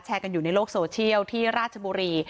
กันอยู่ในโลกโซเชียลที่ราชบุรี